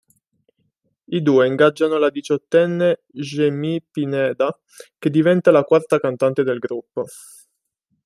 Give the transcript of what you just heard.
I due ingaggiano la diciottenne Jamie Pineda, che diventa la quarta cantante del gruppo.